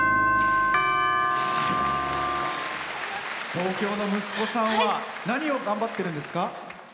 東京の息子さんは何を頑張ってるんですか？